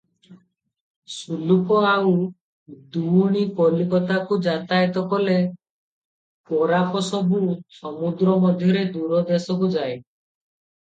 ସୁଲୁପ ଆଉ ଦୁଉଣୀ କଲିକତାକୁ ଯାତାୟତ କରେ, ଗୋରାପ ସବୁ ସମୁଦ୍ର ମଧ୍ୟରେ ଦୂର ଦେଶକୁ ଯାଏ ।